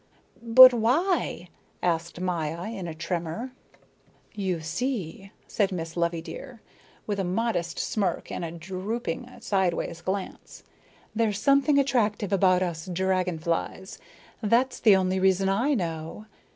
"But why?" asked Maya in a tremor. "You see," said Miss Loveydear, with a modest smirk and a drooping, sidewise glance, "there's something attractive about us dragon flies. That's the only reason I know.